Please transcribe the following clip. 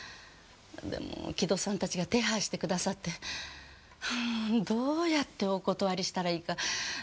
でも城戸さんたちが手配してくださってどうやってお断りしたらいいかそれでつい。